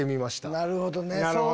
なるほどね。